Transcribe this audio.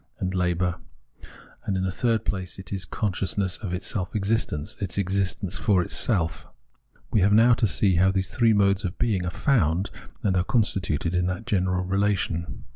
206 Phenomenology of Mind labour ; and in the third place it is a consciousness of its self existence, its existence for itself. We have now to see how these three modes of its being are found and are constituted in that general relation.